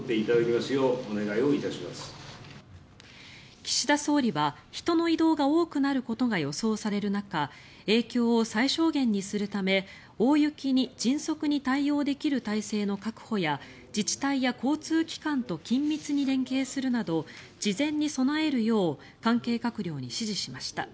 岸田総理は人の移動が多くなることが予想される中影響を最小限にするため大雪に迅速に対応できる態勢の確保や自治体や交通機関と緊密に連携するなど事前に備えるよう関係閣僚に指示しました。